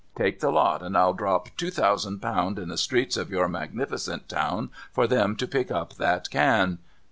Take the lot, and I'll drop two thousand pound in the streets of your magnificent town for them to pick up that can.